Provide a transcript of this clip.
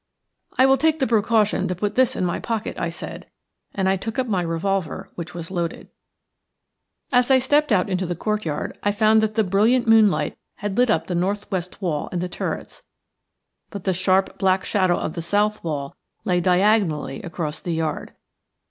"I will take the precaution to put this in my pocket," I said, and I took up my revolver, which was loaded. As I stepped out into the courtyard I found that the brilliant moonlight had lit up the north west wall and the turrets; but the sharp black shadow of the south wall lay diagonally across the yard.